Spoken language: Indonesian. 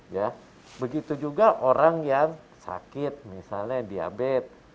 ya begitu juga orang yang sakit misalnya diabetes